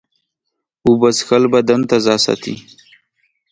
اوبه څښل بدن تازه ساتي.